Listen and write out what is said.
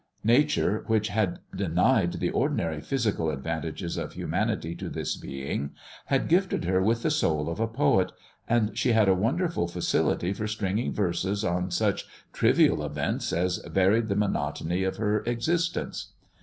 Nature, which had denied the ordinary physical advantages of humanity to this being, had gifted her with the soul of a poet, and she had a wonderful facility for stringing verses on such trivial events as varied the monotony of her existence.